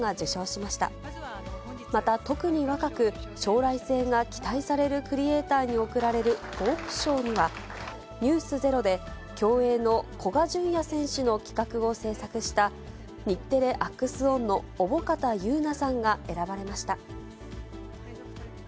また、特に若く、将来性が期待されるクリエーターに贈られる、ホープ賞には、ｎｅｗｓｚｅｒｏで競泳の古賀淳也選手の企画を制作した、日テレアックスオンの小保方友菜さんが選ばれました。